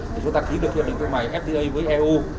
để chúng ta ký được hiệp định thương mại ftpp